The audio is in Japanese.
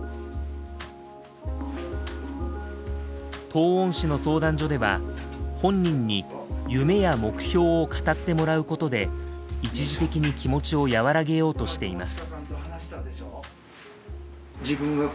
東温市の相談所では本人に夢や目標を語ってもらうことで一時的に気持ちを和らげようとしています。